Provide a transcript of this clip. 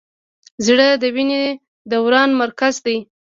زړه د وینې دوران مرکز دی.